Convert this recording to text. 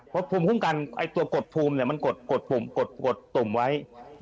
เพราะภูมิคุ้มกันไอ้ตัวกดภูมิเนี่ยมันกดตุ่มไว้